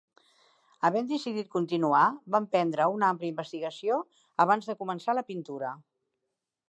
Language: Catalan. Havent decidit continuar, va emprendre una àmplia investigació abans de començar la pintura.